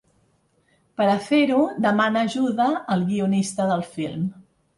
Per a fer-ho demana ajuda al guionista del film.